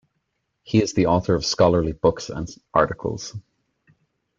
He is the author of scholarly books and articles.